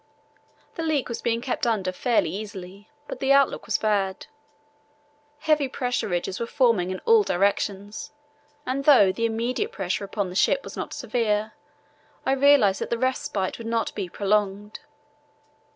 The leak was being kept under fairly easily, but the outlook was bad. Heavy pressure ridges were forming in all directions, and though the immediate pressure upon the ship was not severe, I realized that the respite would not be prolonged.